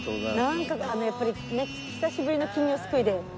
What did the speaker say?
なんかやっぱり久しぶりの金魚すくいで。